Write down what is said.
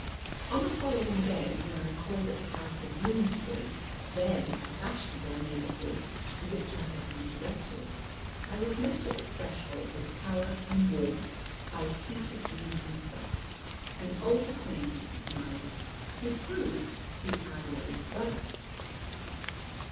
"On the following day, when I called at the house in Bloomsbury then a fashionable neighbourhood to which I had been directed, I was met at the threshold, with power and warmth, by Peter Green himself, an old acquaintance of mine, who proved to be Adelaide's brother.